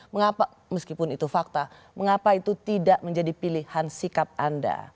mengapa meskipun itu fakta mengapa itu tidak menjadi pilihan sikap anda